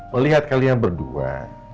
melihat kalian berdua